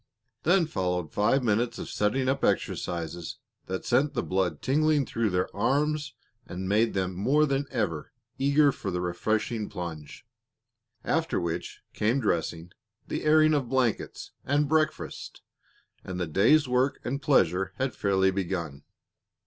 Then followed five minutes of setting up exercises that sent the blood tingling through their veins and made them more than ever eager for the refreshing plunge, after which came dressing, the airing of blankets, and breakfast and the day's work and pleasure had fairly begun.